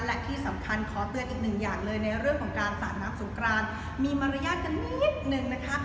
และที่สำคัญขอเตือนอีกหนึ่งอย่างเลยในเรื่องของการสาดน้ำสงกรานมีมารยาทกันนิดนึงนะคะ